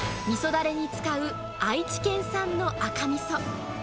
みそだれに使う愛知県産の赤みそ。